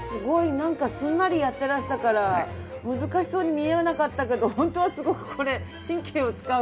なんかすんなりやってらしたから難しそうに見えなかったけどホントはすごくこれ神経を使う。